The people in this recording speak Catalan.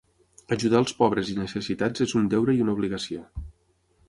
Ajudar els pobres i necessitats és un deure i una obligació.